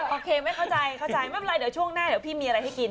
โอเคไม่เข้าใจไม่เป็นไรเดี๋ยวช่วงหน้าพี่มีอะไรให้กิน